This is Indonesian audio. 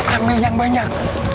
ambil yang banyak